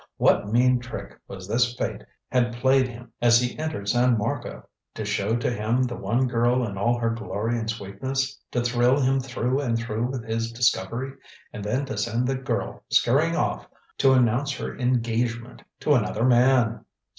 What mean trick was this fate had played him as he entered San Marco? To show to him the one girl in all her glory and sweetness, to thrill him through and through with his discovery and then to send the girl scurrying off to announce her engagement to another man!